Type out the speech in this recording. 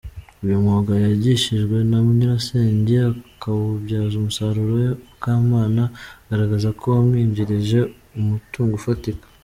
Uyu mwuga yigishijwe na nyirasenge akawubyaza umusaruro, Mukamana agaragaza ko wamwinjirije umutungo ufatika.